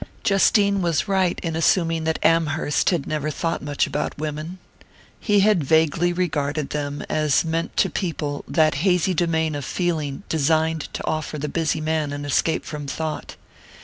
Justine was right in assuming that Amherst had never thought much about women. He had vaguely regarded them as meant to people that hazy domain of feeling designed to offer the busy man an escape from thought.